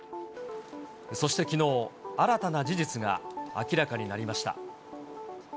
そしてきのう、新たな事実が明らかになりました。